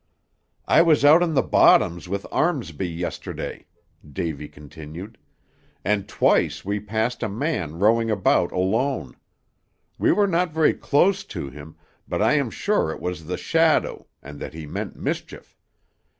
"I was out in the bottoms with Armsby, yesterday," Davy continued, "and twice we passed a man rowing about alone. We were not very close to him, but I am sure it was the shadow, and that he meant mischief.